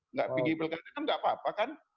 enggak pergi pilkada kan enggak apa apa kan